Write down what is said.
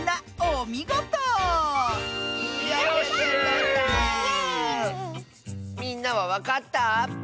みんなはわかった？